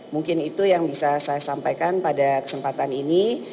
mungkin itu yang bisa saya sampaikan pada kesempatan ini